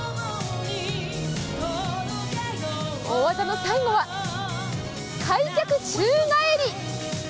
大技の最後は開脚宙返り。